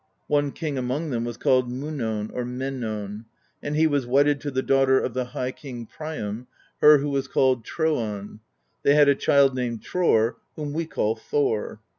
One king among them was called Miinon or Men non; and he was wedded to the daughter of the High King Priam, her who was called Troan; they had a child named Tror, whom we call Thor.